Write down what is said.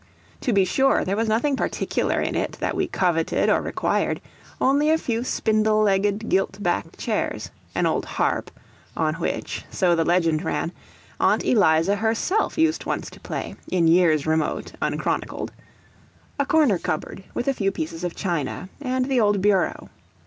To be sure, there was nothing particular in it that we coveted or required, only a few spindle legged gilt backed chairs; an old harp, on which, so the legend ran, Aunt Eliza herself used once to play, in years remote, unchronicled; a corner cupboard with a few pieces of china; and the old bureau.